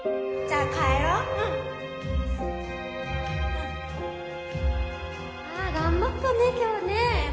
あぁ頑張ったね今日ね。